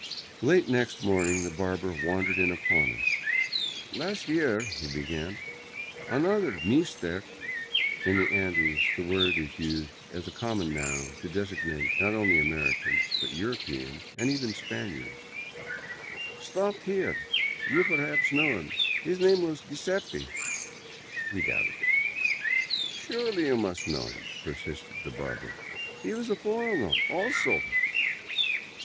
Late next morning the barber wandered in upon us. " Last year," he began, " another meestare "— in the Andes the word is used as a common noun to designate not only Americans, but Euro peans and even Spaniards —" stopped here. You perhaps know him. His name was Guiseppe." We doubted it. *' Surely you must know him," persisted the barber, " he was a foreigner, also."